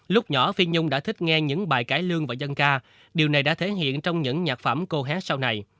lúc nhỏ phi nhung đã thích nghe những bài cải lương và dân ca điều này đã thể hiện trong những nhạc phẩm cô hé sau này